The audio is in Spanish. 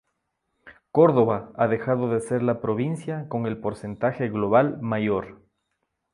Córdoba ha dejado de ser la provincia con el porcentaje global mayor